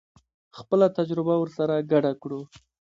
خپله تجربه ورسره ګډه کړو.